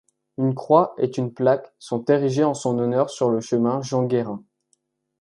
Une croix et une plaque sont érigées en son honneur sur le chemin Jean-Guérin.